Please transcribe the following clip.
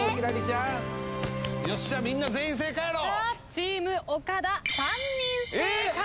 チーム岡田３人正解。